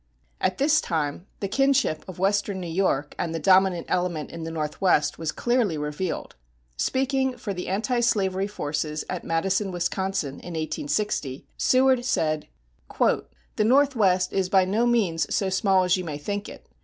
At this time the kinship of western New York and the dominant element in the Northwest was clearly revealed. Speaking for the anti slavery forces at Madison, Wisconsin, in 1860, Seward said: "The Northwest is by no means so small as you may think it.